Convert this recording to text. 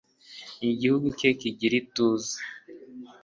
n'igihugu cye kigira ituze